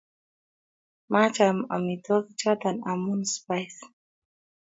Maacham amitwogik chotok amun spice.